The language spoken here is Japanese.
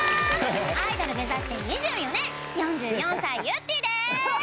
アイドル目指して２４年４４歳ゆってぃです！